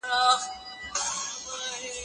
ما نن خپل نوی لارښود انتخاب کړ.